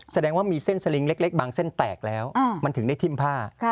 แสดงว่ามีเส้นสลิงเล็กบางเส้นแตกแล้วมันถึงได้ทิ้มผ้า